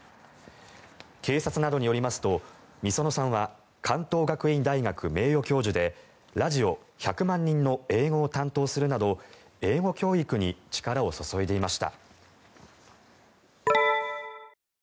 警察などによりますと御園さんは関東学院大学名誉教授でラジオ「百万人の英語」を担当するなど英語教育に力を注いでいました。